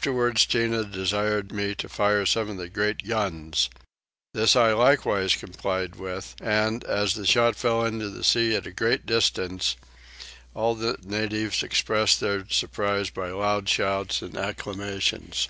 Afterwards Tinah desired me to fire some of the great guns: this I likewise complied with and, as the shot fell into the sea at a great distance, all the natives expressed their surprise by loud shouts and acclamations.